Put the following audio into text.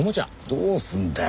どうするんだよ？